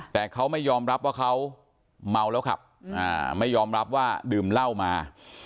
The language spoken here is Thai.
แต่เขาไม่ยอมรับว่าเขาเมาแล้วขับไม่ยอมรับว่าดื่มเหล้ามา